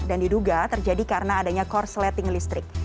dan diduga terjadi karena adanya korsleting listrik